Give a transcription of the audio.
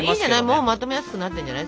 もうまとめやすくなってんじゃない？